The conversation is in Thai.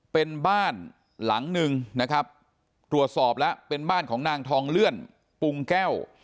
เป็นบ้านหลังหนึ่งนะครับตรวจสอบแล้วเป็นบ้านของนางทองเลื่อนปรุงแก้ว